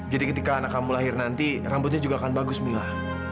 jadi ketika anak kamu lahir nanti rambutnya juga akan bagus mila